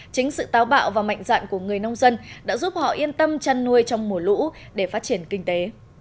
chính sự táo bạo và mạnh dạn của người nông dân đã giúp họ yên tâm chăn nuôi trong mùa lũ để phát triển kinh tế